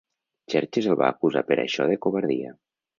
Xerxes el va acusar per això de covardia.